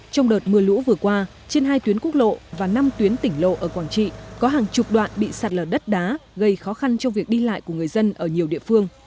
trong đợt mưa lũ vừa qua trên hai tuyến quốc lộ và năm tuyến tỉnh lộ ở quảng trị có hàng chục đoạn bị sạt lở đất đá gây khó khăn trong việc đi lại của người dân ở nhiều địa phương